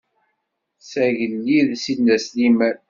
S agellid Sidna Sliman.